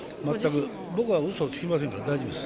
僕はうそつきませんから、大丈夫です。